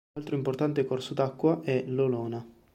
Altro importante corso d'acqua è l'Olona.